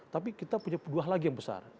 tapi kita punya dua lagi yang besar